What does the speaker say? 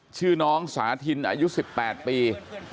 ชื่อน้องสาธินอายุ๑๘ปี